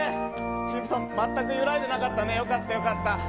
新婦さん、全く揺らいでなかったね、よかった、よかった。